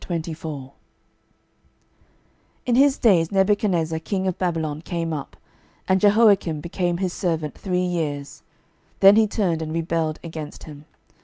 12:024:001 In his days Nebuchadnezzar king of Babylon came up, and Jehoiakim became his servant three years: then he turned and rebelled against him.